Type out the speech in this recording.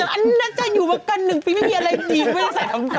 แต่คุณแม่จะอยู่มากัน๑ปีไม่มีอะไรดี